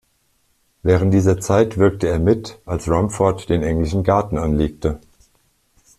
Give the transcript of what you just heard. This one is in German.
Während dieser Zeit wirkte er mit, als Rumford den englischen Garten anlegte.